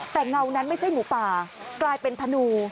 แต่เงานั้นไม่ใช่หมูป่ากลายเป็นธนู